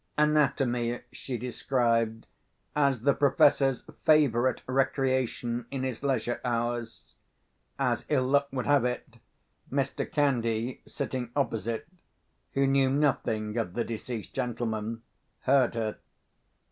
Anatomy she described as the Professor's favourite recreation in his leisure hours. As ill luck would have it, Mr. Candy, sitting opposite (who knew nothing of the deceased gentleman), heard her.